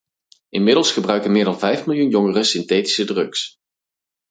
Inmiddels gebruiken meer dan vijf miljoen jongeren synthetische drugs.